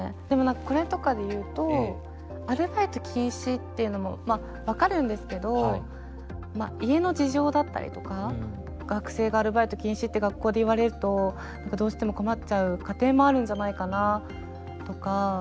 でもこれとかで言うとアルバイト禁止っていうのも分かるんですけど家の事情だったりとか学生がアルバイト禁止って学校で言われるとどうしても困っちゃう家庭もあるんじゃないかなあとか。